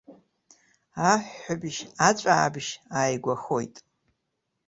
Аҳәҳәабжь, аҵәаабжь ааигәахоит.